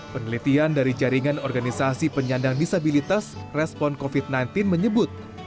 penelitian dari jaringan organisasi penyandang disabilitas respon covid sembilan belas menyebut